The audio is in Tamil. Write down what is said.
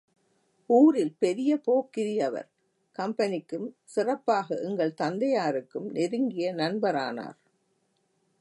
ஊரில் பெரிய போக்கிரி அவர் கம்பெனிக்கும், சிறப்பாக எங்கள் தந்தையாருக்கும் நெருங்கிய நண்பரானார்.